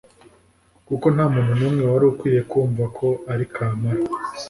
kuko nta muntu n’umwe wari ukwiye kumva ko ari kamara.